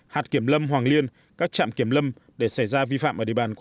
hạt kiểm lâm hoàng liên các trạm kiểm lâm để xảy ra vi phạm